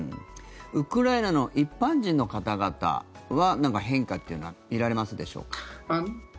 ウクライナの一般人の方々は何か変化というのは見られますでしょうか。